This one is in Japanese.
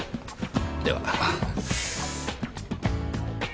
では。